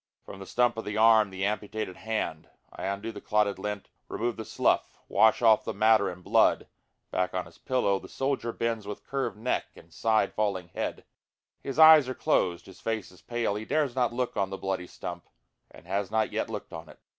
From the stump of the arm, the amputated hand, I undo the clotted lint, remove the slough, wash off the matter and blood, Back on his pillow the soldier bends with curvâd neck and side falling head, His eyes are closed, his face is pale, he dares not look on the bloody stump, And has not yet lookâd on it.